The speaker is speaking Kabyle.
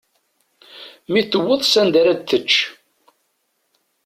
Mi tewweḍ s anda ra d-tečč.